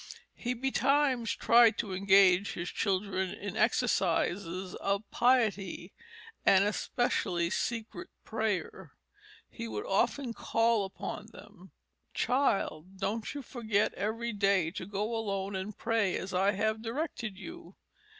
"He betimes tried to engage his children in exercises of piety, and especially secret prayer.... He would often call upon them, 'Child, don't you forget every day to go alone and pray as I have directed you.'